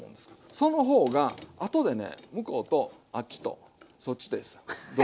その方があとでね向こうとあっちとそっちですよ。